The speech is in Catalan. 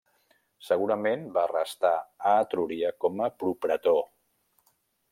Segurament va restar a Etrúria com a propretor.